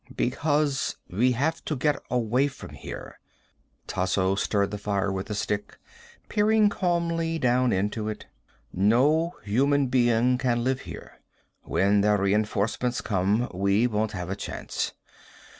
"Because we have to get away from here." Tasso stirred the fire with a stick, peering calmly down into it. "No human being can live here. When their reinforcements come we won't have a chance.